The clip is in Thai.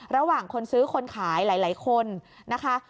ระหว่างคนซื้อคนขายหลายคนนะคะ